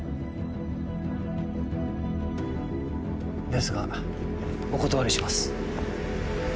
ですがお断りします。